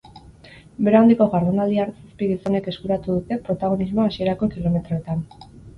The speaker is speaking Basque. Bero handiko jardunaldian, zazpi gizonek eskuratu dute protagonismoa hasierako kilometroetan.